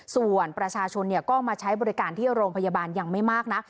ส่วนประชาชนก็มาใช้บริการที่โรงพยาบาลยังไม่มากนะ